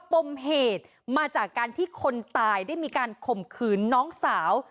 ปมเหตุมาจากการที่คนตายได้มีการข่มขืนน้องสาว